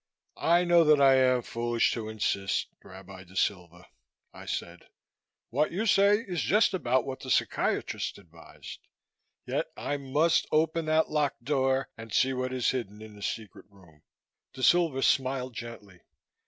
"I know that I am foolish to insist, Rabbi Da Silva," I said. "What you say is just about what the psychiatrists advised. Yet I must open that locked door and see what is hidden in the secret room." Da Silva smiled gently.